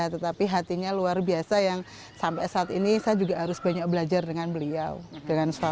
tetapi hatinya luar biasa yang sampai saat ini saya juga harus banyak belajar dengan beliau